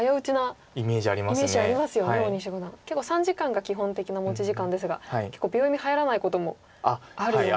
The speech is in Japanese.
結構３時間が基本的な持ち時間ですが秒読み入らないこともあるような。